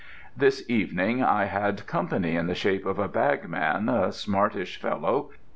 This evening I had company in the shape of a bagman, a smartish fellow.